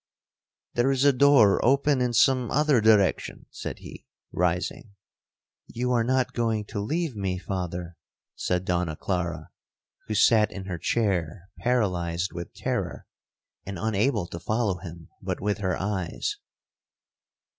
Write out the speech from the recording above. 'There is a door open in some other direction,' said he, rising. 'You are not going to leave me, Father?' said Donna Clara, who sat in her chair paralyzed with terror, and unable to follow him but with her eyes.